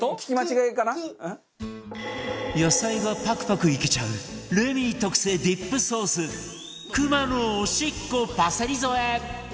野菜がパクパクいけちゃうレミ特製ディップソースクマのおしっこパセリ添え